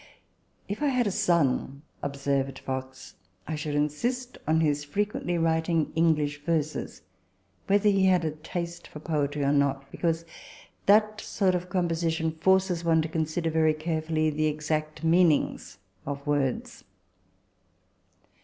" If I had a son," observed Fox, " I should insist on his frequently writing English verses, whether he had a taste for poetry or not, because that sort of composition forces one to consider very carefully the exact meanings of words."